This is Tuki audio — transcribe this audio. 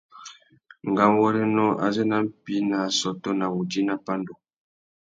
Ngáwôrénô azê na mpí nà assôtô na wudjï nà pandú.